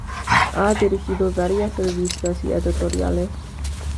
Ha dirigido varias revistas y editoriales.